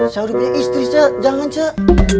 saya udah punya istri cak jangan cak